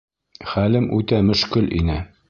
Хәлем үтә мөшкөл ине.